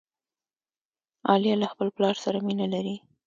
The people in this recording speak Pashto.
عالیه له خپل پلار سره مینه لري.